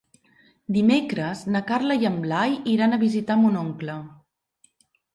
Dimecres na Carla i en Blai iran a visitar mon oncle.